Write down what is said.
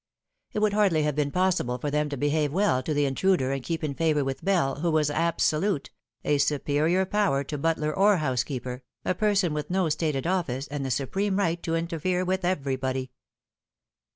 It would hardly have been possible for them to behave well to the intruder and keep in favour with Sell, who was absolute a superior Ttte Fatal Three. power to butler or housekeeper, a person with no stated office, and the supreme right to interfere with everybody.